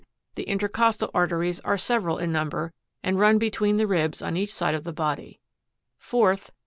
The intercostal, arteries are several in number, and run between the ribs on each i ide of the body, 29. 4th.